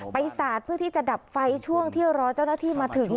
สาดเพื่อที่จะดับไฟช่วงที่รอเจ้าหน้าที่มาถึง